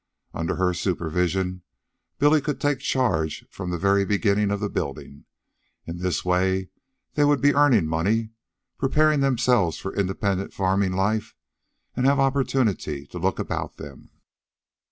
Under her supervision Billy could take charge from the very beginning of the building. In this way they would be earning money, preparing themselves for independent farming life, and have opportunity to look about them.